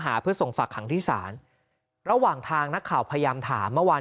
เพื่อส่งฝากขังที่ศาลระหว่างทางนักข่าวพยายามถามเมื่อวาน